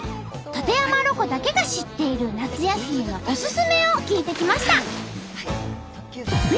館山ロコだけが知っている夏休みのおすすめを聞いてきました！